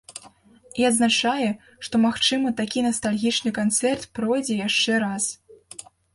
І адзначае, што магчыма, такі настальгічны канцэрт пройдзе яшчэ раз.